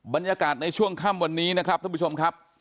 บรรยากาศในช่วงค่ำวันนี้นะครับท่านผู้ชมครับ